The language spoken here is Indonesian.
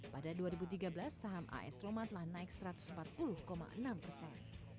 pada dua ribu tiga belas saham as roma telah naik satu ratus empat puluh enam persen